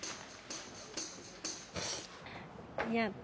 いや。